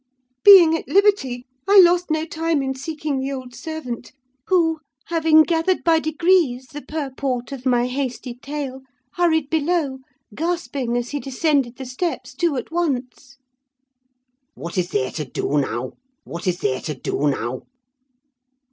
Being at liberty, I lost no time in seeking the old servant; who, having gathered by degrees the purport of my hasty tale, hurried below, gasping, as he descended the steps two at once. "'What is ther to do, now? what is ther to do, now?